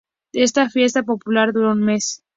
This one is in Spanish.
Esta fiesta popular dura un mes.